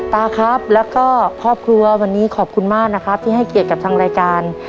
ตาครับแล้วก็ครอบครัววันนี้ขอบคุณมากนะครับที่ให้เกียรติกับทางรายการ